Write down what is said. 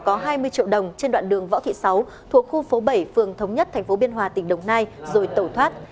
có hai mươi triệu đồng trên đoạn đường võ thị sáu thuộc khu phố bảy phường thống nhất tp biên hòa tỉnh đồng nai rồi tẩu thoát